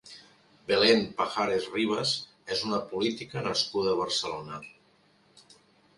Belén Pajares Ribas és una política nascuda a Barcelona.